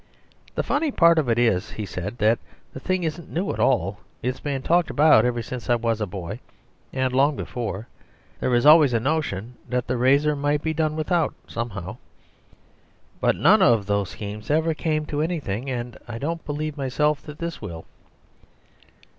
"The funny part of it is," he said, "that the thing isn't new at all. It's been talked about ever since I was a boy, and long before. There is always a notion that the razor might be done without somehow. But none of those schemes ever came to anything; and I don't believe myself that this will."